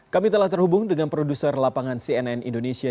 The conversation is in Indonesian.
kami telah terhubung dengan produser lapangan cnn indonesia